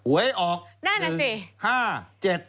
ไว้ออกนั่นน่ะสิ